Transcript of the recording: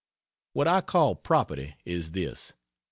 What I call "property" is this.